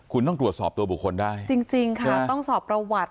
คุณต้องตรวจสอบตัวบุคคลได้จริงค่ะต้องสอบประวัติ